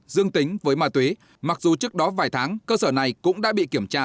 dương tính với ma túy mặc dù trước đó vài tháng cơ sở này cũng đã bị kiểm tra